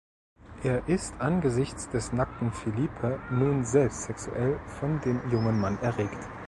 Er ist angesichts des nackten Philippe nun selbst sexuell von dem jungen Mann erregt.